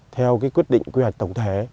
theo quyết định tổng thể